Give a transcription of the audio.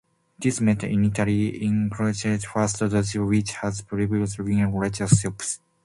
This met initially in Kirchner's first studio, which had previously been a butcher's shop.